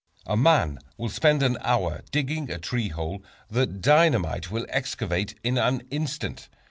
A man will spend an hour digging a tree hole that dynamite will excavate in an instant.